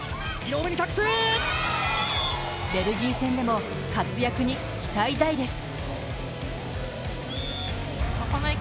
ベルギー戦でも活躍に期待大です。